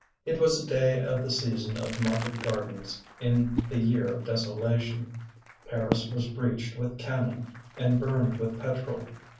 It was a day of the season of market gardens in the year of desolation. Paris was breached with cannon and burned with petrol.